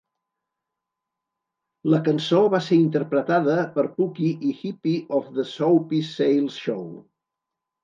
La cançó va ser interpretada per Pookie i Hippy of The Soupy Sales Show.